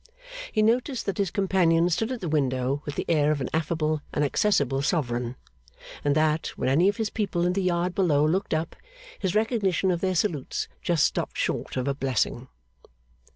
He noticed that his companion stood at the window with the air of an affable and accessible Sovereign, and that, when any of his people in the yard below looked up, his recognition of their salutes just stopped short of a blessing.